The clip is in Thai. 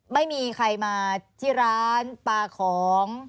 ไม่มีใครมาที่ร้านปลาของ